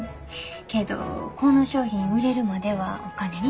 けどこの商品売れるまではお金になれへん。